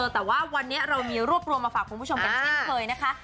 แต่ว่าวันนี้เรามีรวบรวมมาฝากคุณผู้ชมกันเช่นเคยนะคะ